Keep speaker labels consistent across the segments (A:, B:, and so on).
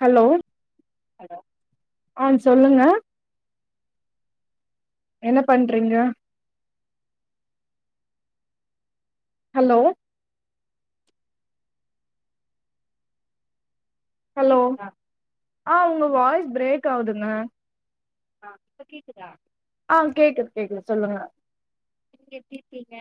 A: Hello
B: hello
A: ஆ சொல்லுங்க என்ன பண்றீங்க ஹலோ ஹலோ
B: கேக்குதா
A: ஆ உங்க வாய்ஸ் பிரேக் ஆவுதுங்க
B: ஆ இப்ப கேக்குதா
A: ஆ கேக்குது கேக்குது சொல்லுங்க
B: நீங்க எப்பிடி இருக்கீங்க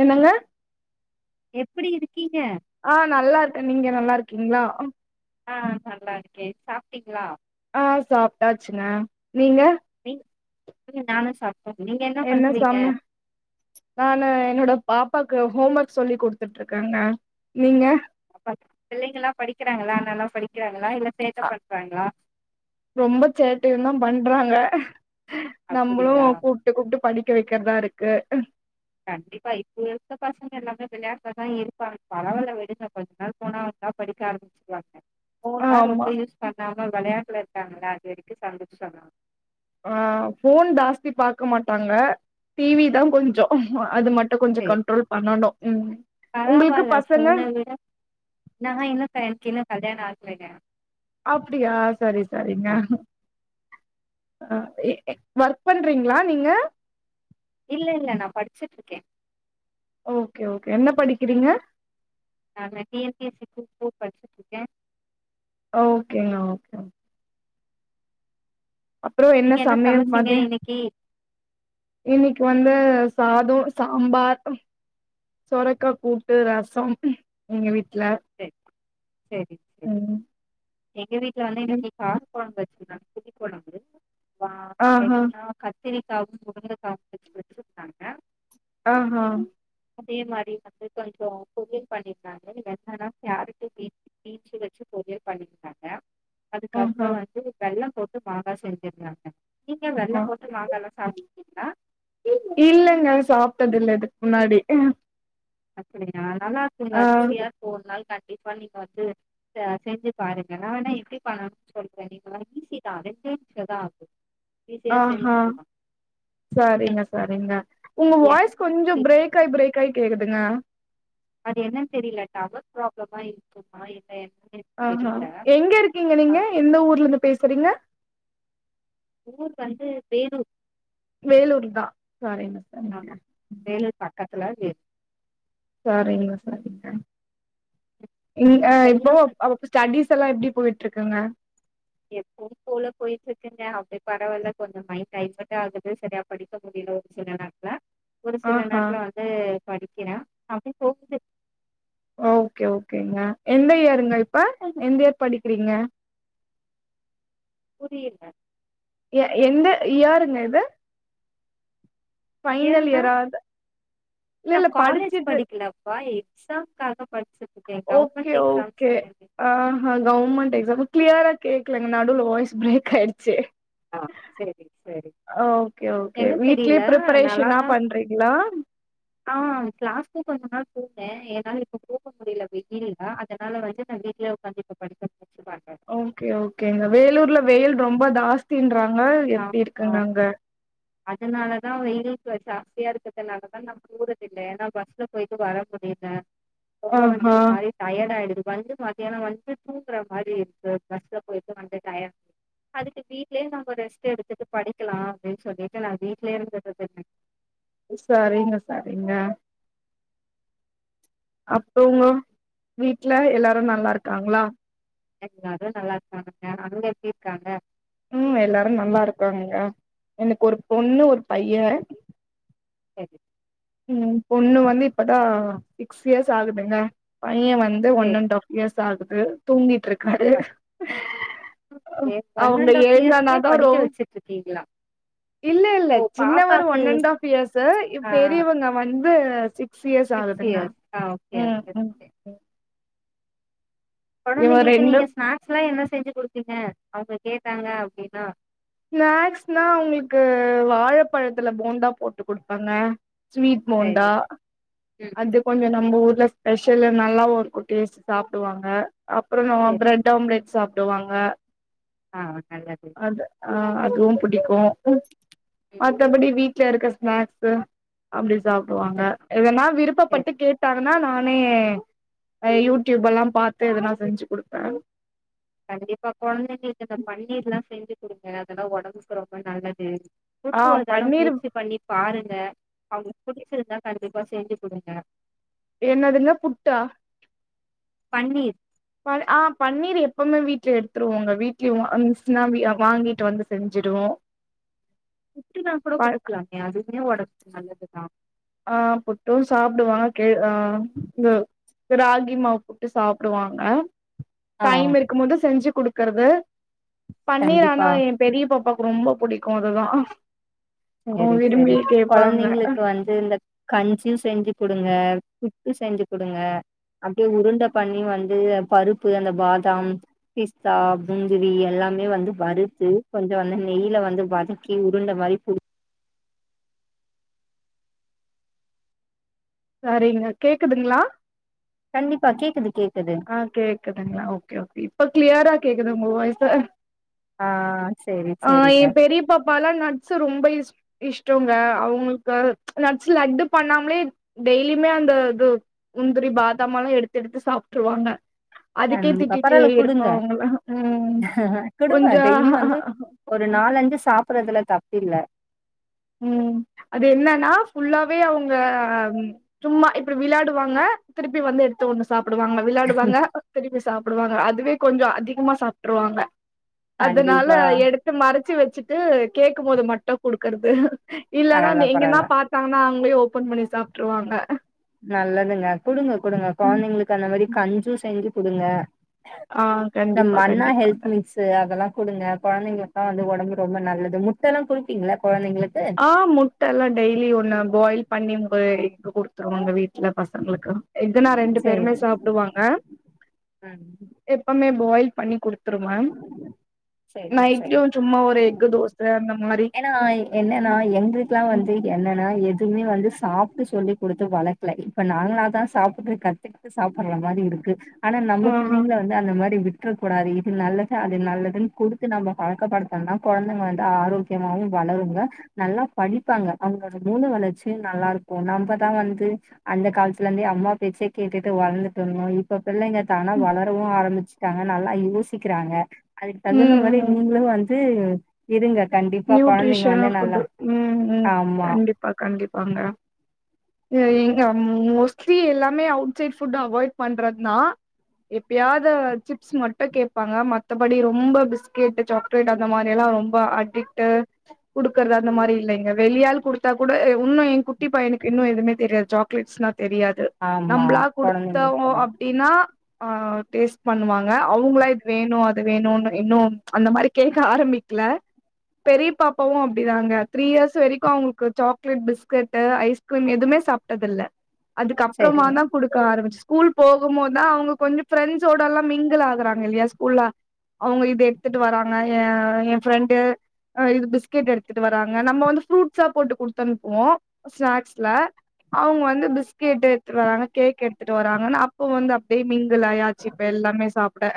A: என்னங்க
B: எப்பிடி இருக்
A: ஆ நல்லா இருக்கே நீங்க நல்லா இருக் கிங்ளா
B: ஆ நல்லா இருக்கே சாப்ட்டீங்களா
A: ஆ சாப்ட்டாச்சுங்க நீங்க
B: நீ நானு சாப்
A: என்ன சம நானு என்னோட பாப் ப்பாக்கு ஹோம் ஒர்க் சொல்லி குடுத்துட்டு இருக்காங்க நீங்க
B: அ பிள்ளைங்கல்லா படிக்கிறாங்களா நல்லா படிக்கிறாங்களா இல்ல சேட்ட
A: அ
B: பண்றாங்களா
A: ரொம்ப சேட்டையுதா பண்றாங்க நம்மளு
B: அப்டியா
A: கூப்புட்டு கூப்புட்டு படி க்க வைக்கிறதா இருக்கு
B: கண்டிப்பா இப்ப இருக்க பசங்க எல்லாமே விளையாட்ல்லதா இருப்பாங்க பரவால விடுங்க கொஞ்ச நாள் போனா வந்தா படிக்க ஆரம்பிச்சிக்கவாங்க ஃபேன்னா
A: ஆமா
B: ரொம்ப யூஸ் பண்ணாம விளையாட்டுல க்காங்களா அது வரைக்கு சந்தோஷதா
A: ஆ ஃபோன் ஜாஸ்தி பாக்க மாட்டாங்க டிவிதா கொஞ்சோ அது மட்டும் கொஞ்சோ கண்ட்ரோல் பண்ணணு ம் உங்களுக்கு
B: பராவயில்ல
A: பசங்க
B: ஃபோன விட நா என்ன [unintelligible] கல்யாணோ ஆகலங்க
A: அப்பிடியா சரி சரிங்க ஆ எ ஒர்க் பண்றீங்களா நீங்க
B: இல்ல இல்ல நா படிச்சிட்டு இருக்கே
A: ஓகே ஓகே என்ன படிக்கிறீங்க
B: நா T N P S C group four படிச்சிட்டு இருக்கே
A: ஓகேங்க ஓகே
B: நீங்க என்ன சமைச்சீங்க இன்னிக்கி
A: இன்னிக்கி வந்து சாதோ சாம்பார் சொரக்கா கூட்டு ரசம் எங்க வீட்
B: சேரி சேரி சேரி
A: ம்
B: எங்க வீட்ல வந்து
A: ம்.
B: இன்னிக்கி கா கொழம்பு வச்சிருந்தாங்க புளி கொழம்பு வா
A: ஆஹா
B: என்னா கத் திரிக்காவும் முருங்கக்காவும் வச்சி வச்சிருந்தாங்க
A: ஆஹ
B: அதே மாரி வந்து கொஞ்சம் பொரியல் பண்ணிருந்தாங்க அதா கேரட்டு பீ பீன்ஸ் வச்சி பொரியல் பண்ணிருந்தாங்க
A: ஆஹா
B: அதுக்கப்புறம் வந்து வெல்லம் போட்டு பாகா செஞ்சிருந்தாங்க நீங்க வெல்லம் போட்டு மாங்காலா சாப்ட்ருக்கீங்ளா
A: இல்லங்க சாப்ட்டது இல்ல இது முன்னாடி
B: அப்டியா நல்லா இருக்குங்க
A: ஆ
B: ருசியா இருக்கும் ஒரு நாள் கண் ட்ரை பண்ணி பாத்து இத செஞ்சி பாருங்க நா வேணா எப்டி பண்ணணும்னு சொல்றேன் நீங்க ஈஸி தான் ரெண்டே நிமிஷம் தான் ஆகும்
A: ஆஹ சரிங்க சரிங்க உங்க
B: எண்ண
A: வாய்ஸ்
B: ஊத்தி
A: கொஞ்சம் பிரேக் ஆயி பிரேக் ஆயி கேக்குதுங்க
B: அது என்னன்னு தெரியில டவர் ப்ராப்ளமா இருக்குமா என்னன்னு எனக்கு
A: ஆஹ
B: தெரியல
A: எங்க இருக்கீங்க
B: அ
A: நீங்க எந்த ஊர்ல இருந்து பேசறீங்க
B: ஊர் வந்து வேலூர்
A: வேலூர் தா சரிங்க சரிங்க
B: ஆமா வேலூர் பக்கத்துல வேலூர்
A: சரிங்க சரிங்க இல்ல
B: எல்லாம்
A: இப்போவு
B: வந்து
A: அவ ஸ்டெடிஸ் எல்லாம் எப்டி போயிட்டு இருக்கங்க
B: எப்பவும் போல போயிட்டு இருக்குங்க அப்படி பரவாயில்ல கொஞ்சம் மைண்ட் டைவர்ட் ஆகுது சரியா படிக்க முடியுலோ சில நேரத்துல ஒரு சில
A: ஆஹா
B: நேரத்துல வந்து படிக்கிறே அப்டி போகுது
A: ஓகே ஓகேங்க எந்த இயருங்க இப்ப எந்த இயர் படிக்கிறீங்க
B: புரியில
A: எ எந்த இயருங்க இது ஃபைனல்
B: ஏனா
A: இயரா இது இல்ல
B: நா
A: இல்ல
B: காலேஜி
A: படிச்சிட்டு
B: படிக்கலப்பா எக்ஸாம்காக படிச்சிட்
A: ஓகே ஓகே ஆ கவமெண்ட் எக்ஸாம் க்கிளயரா கேக்கலங்க நடுல வாய்ஸ் பிரேக் ஆயிடுச்சு
B: ஆ செரி செரி
A: ஓகே ஓகே
B: என்ன தெரில
A: வீட்லே பிரப்பரேஷனா
B: நல்லாதா
A: பண்றீங்ளா
B: ஆ கிளாஸ்க்கு கொஞ்ச நாள் போனே என்னால இப்ப போக முடியல வெயில்லா அதனால வந்து நா வீட்லே ஒக்காந்து இப்ப படிக்கே
A: ஓகே ஓகேங்க வேலூர்ல வெயில் ரொம்ப ஜாஸ் தின்ரா ஆ எப்டி
B: ஆமா
A: இருக்குங்க அங்க
B: அதனாலதா வெயிலுக்கு ஜாஸ்தியா இருக்குறதுனால தா நம்ம போறது இல்ல ஏன்னா பஸ்ல போயிட்டு வர முடியல ரொம்ப வந்து
A: ஆஹா
B: ஒரு மாரி டயட் ஆயிடுது வந்து மத்தியான வந்து தூங்குற மாரி இருக்கு பஸ்ல போயிட்டு வந்து டயடு அதுக்கு வீட்லயே நம்ம ரெஸ்ட் எடுத்துட்டு படிக்கலா அப்டின்னு சொல்லி நா வீட்லயே இருந்து [unintelligible]
A: சரிங்க சரிங்க அப்றோங்க வீட்ல எல்லாரு நல்லா இருக்காங்ளா
B: எல்லாரு நல்லா இருக்கானுங்க அங்க எப்டி இருக்காங்க
A: உம் எல்லாரு நல்லா இருக்காங்கங்க எனக்கு ஒரு பொண்ணு ஒரு பைய
B: சேரி
A: உம் பொண்ணு வந்து இப்பதா சிக்ஸ் இயர்ஸ் ஆகுதுங்க பைய வந்து ஒன்
B: சரி
A: அண்ட் ஆஃப் இயர்ஸ் சாப்டு தூங்கிட்டு இருக்கு காரு ம்
B: ஒன்
A: அவுங்க
B: அண்ட் ஹாஃப் இயர்ஸ்கே
A: எழுந்தனாதா ரொ
B: படிக்க வச்சுட்டு இருக்கீங்களா
A: இல்ல இல்ல
B: ஓ
A: சின்னவரு
B: பாப்பாக்கு
A: ஒன் அண்ட் ஆப் இயர்ஸ் இ
B: ஆ
A: ங்க வந்து சிக்ஸ் இயர்ஸ்
B: சிக்ஸ்
A: ஆகுதுனா
B: இயர்ஸ் ஆ ஓகே
A: ம்
B: ஓகே
A: உம்
B: ஓகே கொழந்தைங்களுக்கு
A: ரெண்டு
B: நீங்க ஸ்நாக்ஸ்க்ல்லா என்ன செஞ்சு குடுப்பீங்க அவுங்க கேட்டாங்க அப்டின்னா
A: ஸ்நாக்ஸ்னா அவுங்களுக்கு வாழப்பழத்ல போண்டா போட்டு குடுப்பேங்க ஸ்வீட் போண்டா
B: சரி ம்
A: அது கொஞ்சோ நம்ம ஊர் இல்ல ஸ்பெஷல்ல நல்லாவு இருக்கு டேஸ்ட் சாப்புடுவாங்க அப்றோ ந
B: சரி
A: பிரட் ஆம்லேட் சாப்ப விடுவாங்க
B: ஆ நல்லது
A: ஆ அதுவு பிடிக்கு ஆ
B: ம்
A: மத்தபடி வீக் வீட்ல இருக்க ஸ்நாக்ஸு அப்டி சாப்பிடுவாங்க
B: சரி
A: எதனா
B: சரி
A: விருப்பப்பட்டு கேட்டாருன்னா நா னே யூடியூப் எல்லா பாத்து எதனா செஞ்சு குடுப்பே
B: கண்டிப்பா கொழந்தைங்களுக்கு இந்த பன்னீர்லா செஞ்சு குடுங்க அதெல்லா ஒடம்புக்கு ரொம்ப நல்லத் குட்து
A: ஆ
B: ஒரு தடோ
A: பன்னீர்
B: முயற்சி பண்ணி பாரு ங்க அவங்களுக்கு புடிச்சிருந்தா கண்டிப்பா செஞ்சு குடுங்க
A: என்னதுங்க புட்டா
B: பன்னீர்
A: ப ஆ பன்னீர் எப்பவுமே வீட்ல எடுத்துருவோங்க வீக்லி ஒன்ஸ்னா வாங்கிட்டு வந்து செஞ்சிடுவோ
B: புட்டு நா கூட குடுக்கலாமே அதுமே ஒட நல்லதுதா
A: ஆ புட்டு சாப்பிடுவா கே அ இந்த ராகி மாவு புட்டு சாப்பிடுவாங்க
B: ஆ
A: டைம் இருக்கும் போது செஞ்சு குடு க்கறது
B: கண்டிப்பா
A: பண்ணிரானா எ பெரிய பாப்பா ரொம்ப பிடிக்கு அதுதா அவங்க
B: சரி
A: விரும்பி
B: சரி
A: கேப்பாங்க
B: குழந்தைங்களுக்கு வந்து இந்த கஞ்சியு செஞ்சு கொடுங்க புப்பு செஞ்சு குடுங்க அப்படியே உருண்ட பண்ணி வந்து பருப்பு அந்த பாதாம் பிஸ்தா புஞ்சவி எல்லாமே வந்து வருத்து கொஞ்ச வந்து நெய்ல வந்து வதக்கி உருண்ட மாரி புடி
A: சரிங்க கேக்குதுங்களா
B: கண்டிப்பா கேக்குது கேக்குது
A: ஆ கேக்குதுங்களா ஓகே ஓகே இப்ப கிளியரா கேக்குது உங்க வாய்சு
B: ஆ சேரி
A: ஆ எ
B: சேரிங்க
A: பெரிய பாப்பாலா நட்ஸ் ரொம்ப யுஸ் இஷ்டங்க அவங்களுக்கு நட்ஸ் லட்டு பண்ணாமலே டெய்லியுமே அந்த இது முந்திரி பாதாம எல்லா எடுத்துடுத்து சாப்ப ட்ருவாங்க அதுக்கே
B: கண்டிப்பா
A: திட்டிட்டே
B: பரவால்ல குடுங்க
A: இருப்பேஅவங்கள உ
B: குடுங்க
A: கொஞ்ச
B: ப்பிறதுல தப்பில்ல
A: உ அது என்னன்னா ஃபுல்லாவே அவங்க சும்மா இப்டி விளாடுவாங்க திருப்பி வந்து எடுத்த ஒண்ண சாப் ப்படுவாங்க விளையாடுவாங்க திருப்பி வந்து சாப்பிடுவாங்க அது அதுவே கொஞ்ச அதிகமா சாப்ட்ருவாங்க அதனால
B: கண்டிப்பா
A: எடுத்து மறச்சு வச் ச்சுட்டு கேக்கும் போது மட்டு குடுக்கற்து [unintelligible] இல்லனா
B: பரவால்ல
A: எங்கன்னா
B: பரவால்ல
A: பாத்தாங்கன்னா அங் ஓபன் பண்ணி சாப்டுருவாங்க
B: நல்லதுங்க குடுங்க குடுங்க குழந்தைங்களுக்கு அந்த மாரி கஞ்சு செஞ்சு குடுங்க
A: ஆ
B: இந்த
A: கண்டிப்பா
B: மண்ணா
A: கண்டிப்பாங்க
B: ஹெல்த் மீக்ஸ் அதல்லா குடுங்க கொழந்தங்களுக்கு தா வந்து ஒடம்பு ரொம்ப நல்லது முட்டல்லாம் குடுப்பீங்ள கொழந்தங்களுக்கு
A: ஆ முட்டல்லா டெய்லி ஒன்னு பாயில் பண்ணி உங்க இங்க குடுத்துருவங்க வீட் இல்ல பசங்களுக்கு எக்குனா ரெண்டு பேருமே
B: சேரி
A: சாப்டுவாங்க
B: ம்
A: எப்பமே பாயில் பண்ணி குடுத் துருவே
B: சேரி சரி
A: நைட்டும் சும்மா ஒரு எக்கு தோச அந்த மாரி
B: னா எங்குல்லா வந்து என்னன்னா எது எதுமே வந்து சாப்டு சொல்லி குடுத்து வளக்கல இப்ப நாங்கள தான் சாப்டு கத்துக்கிட்டு சாப்ற மாரி இருக்கு ஆனா நம்ம
A: ஆஹா
B: புள்ளங்கள வந்து அந்த மாரி விட் ட்ற கூடாதே நல்லது அது நல்லதுன் குடுத்து நம்ம பழக்கப்படுத்துனா கொழந்தைங்க வந்து ஆரோக்கியமாவும் வளருங்க நல்லா படிப்பாங்க அவுங் மூள வளர்ச்சியும் நல்லாருக்கும் நம்பதான் வந்து அந்த காலத்துலருந்தே அம்மா பேச்ச கேட்டுட்டு வளந்துட்டு இருந்தோம் இப்ப பிள்ளைங்க தானா வளரவும் ஆரம்பிச் டாங்க நல்லா யோஸ் சிக்கிறாங்க அதுக்கு
A: ம்
B: தகுந்த மாரி
A: ம்
B: நீங்களு வந் து இருங்க கண்டிப்பா கொழந்தைங்க
A: நியூட்ரிஷன்
B: வந்து நல்லா
A: ஃபுட்டு ம் ம்
B: ஆமா
A: கண்டிப்பா கண்டிப்பா பாங்க எங்க மோஸ்லி எல்லாமே அவுட் சைய்டு அவாய்ட் பண்றதா எப்பியாவது சிப்ஸ் மட்டும் கேப்பாங்க மத்தபடி ரொம்ப பிஸ்கெட் சாக்லேட் அந்த மாரி எல்லாம் ரொம்ப அடிக் டு குடுக்கறது அந்த மாரி இல்ல இங்க வெளியாள் குடுத்தா கூட இன்னும் ஏ குட்டி பையனுக்கு இன்னு எதுவுமே தெரியாது சாக்லேட்ஸ் தெரியாது
B: ஆமா
A: நம்மளா
B: கொழந்தைங்களுக்கு
A: குடுத்தோம்
B: தெரியும்
A: அப்டின்னா ஆ டேஸ் பண்ணுவாங்க அவுங்ளா இது வேணு அது வேணுன் இன்னு அந்த மாரி கேக்க ஆரம்பிக்ல பெரிய பாப்பாவும் அப்படிதாங்க த்ரீ இயர்ஸ் வரைக்கும் அவங்களுக்கு சாக்லேட் பிஸ்கட் ஐஸ்கிரீம் எதுமே சாப்டது இல்ல அதுக்கு அப்புறமா
B: சரிங்க
A: தான் குடுக்க ஆரம்பிச் ஸ்கூல் போகும் போதுதான் அவுங்க கொஞ்ச ஃப்ரெண்ட்ஸோட எல்லா மிங்கிள் ஆகுறாங்க இல்லியா ஸ்கூல்ல அவங்க இது எடுத்துட்டு வராங்க ஏ என் ஃப்ரெண்டு அ இது பிஸ்கெட் எடுத்துட்டு வராங்க நம்ம வந்து ஃப்ரூட்ஸா போட்டு குடுத்து அனுப்பவோம் ஸ்நாக்ஸ்ல அவங்க வந்து பிஸ்கெட் எடுத்துட்டு வராங்க கேக் எடுத்துட்டு வராங்கன்னா அப்போ வந்து அப் நெய் மீன் இதுலாயாச்சு இப்ப எல்லாமே சாப் ட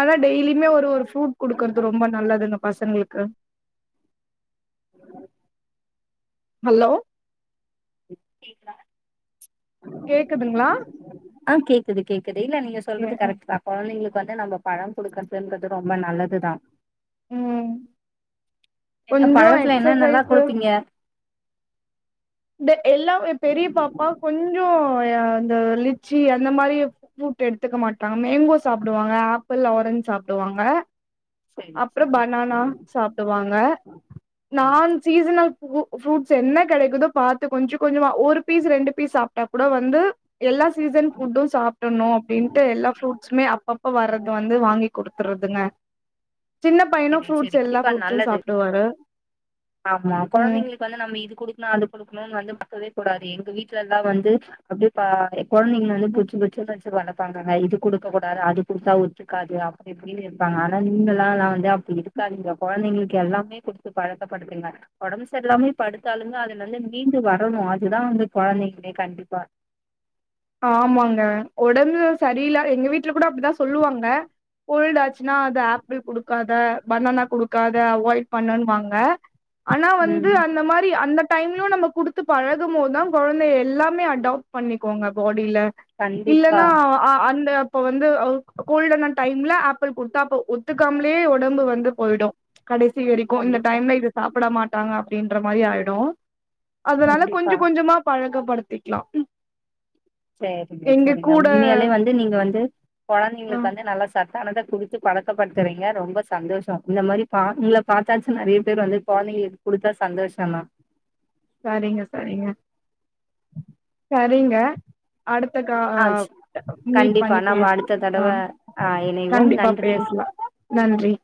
A: ஆன டெய்லியுமே ஒரு ஒரு ஃபுரூட் குடுக்கர்து ரொம்ப நல்லது இந்த பசங்களுக்கு
B: [inaudible]
A: ஹலோ
B: [inaudible]
A: கேக்குதுங்களா
B: ஆ கேக்குது கேக் குதெல்ல நீ
A: எ
B: சொல்றது
A: அ
B: கரெக்ட் தா கொழந்தைங்களுக்கு வந்து நம்ம பழம் கொடுக்கறதுன்றது ரொம்ப நல்லதுதா
A: உ
B: என்ன பழத்துல என்னன்னலா குடுப்பீங்க
A: இந்த எல்லா எ பெரிய பாப்பா கொஞ்சோ இந்த லிச்சி அந்த மாரி ஃப்ரூட் எடுத்துக்க மாட்டாங்க மேங்கோ சாப்பிடுவாங்க ஆப்பிள் ஆரஞ்ச் சாப்பிடுவாங்க
B: சரி
A: அப்புறோ
B: சரி
A: பனானா சாப்பிடுவாங்க
B: சரி
A: நான் சீசனல் ஃப்ரூட்ஸ் என்ன கெடைக்குதோ பாத்து கொஞ்ச கொஞ்சமா ஒரு பீஸ் ரெண்டு பீஸ் சாப்ட்டா கூட வந்து எல்லா சீசன் ஃபுட்டு சாப்பிடணு அப்டின்ட்டு எல்லா ஃப்ரூட்ஸுமே அப்பப்ப வர்றது வந்து வாங்கி குடுத்துர்ரதுங்க
B: செரி செரி கண்டிப்பா நல்லது
A: சாப்டுவாரு
B: ஆமா
A: ம்
B: குழந்தைங்களுக்கு வந்து நம்ம இது குடுக்கனு அது குடுக் க்கனுனு வந்து பாக்கவே கூடாது எங்க வீட்டுலலா வந்து அப்டே பாய் குழந்தைங்கள வந்து புச்சு புச்சுனு வச்சு த் வளப்பாங்கங்க இது குடுக்க கூடாது அது குடுத்தா ஒத்துக்காது அப்டி இப்டினு இருப்பாங்க ஆனா நீங்களா நா வந்து இருக்காதீங்க குழந்தைங்களுக்கு எல்லாமே குடுத்து பழக்கப்படுத்துங்க ஒடம்பு சரி இல்லாமேயு படுத்தாலுமே அதுல இருந்து மீன்டு வரணு அதுதா வந்து குழந்தைங்களே கண்டிப்பா
A: ஆமாங்க ஒடம்பு சரியல எங்க வீட்டுல கூட அப்டிதா சொல்லுவாங்க கோல்டாச் னா அது ஆப்பிள் குடுக்காத பணானா குடுக்காத அவாய்ட் பண்ணுன்வாங்க ஆனா வந்து
B: ம்
A: அந்த மாரி அந்த டைம்லு நம்ம கொடுத்து பழகம்போதுதா குழந்தை எல்லாமே அடாப்ட் பண்ணிக்கோங்க அப்டில
B: கண்டிப்பா
A: இல்லன்னா அ அந்த அப்ப வந்து கோல்ட்டான டைம்ல ஆப்பிள் கொடுத்தா அப்ப ஒத்துக்காமலே லே ஒடம்பு வந்து போயிடு கடைசி வரைக்கு இந்த
B: கண்டிப்பா
A: டைம்ல இத சாப்பிட மாட்டாங்க அப்படின்ற மாரி ஆயிடு அதனால கொஞ்ச
B: கண்டிப்பா
A: கொஞ்சமா பழக க்க படுத்திக்கலா
B: சேரிங்க சேரிங்க உண்மையாலயே வந்து நீங்க வந்து
A: ஆ
B: கொழந்தைங்களுக்கு வந்து நல்லா சத் தானத்த குடுத்து பழக்கப்படுத்துறீங்க ரொம்ப சந்தோஷ இந்த மாரி நா உங்கல பார்த்தாச்சு நெறைய பேர் வந்து கொழந்தைங்களுக்கு குடுத்தா சந்தோஷ தா
A: சேரிங்க சேரிங்க
B: [inaudible]
A: சேரிங்க அடுத்த கா
B: ஆ சே
A: மீட்
B: கண்டிப்பா
A: பண்ணி
B: நம்ம
A: பேசல
B: அடுத்த தடவ
A: ஆ
B: ஆ இணைவோம்
A: கண்டிப்பா
B: நன்றி
A: பேசலா நன்றி